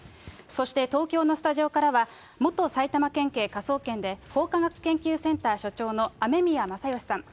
そして東京のスタジオからは、元埼玉県警科捜研で法科学研究センター所長の雨宮正欣さん。